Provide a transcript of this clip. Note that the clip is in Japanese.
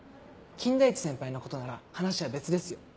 金田一先輩のことなら話は別ですよ。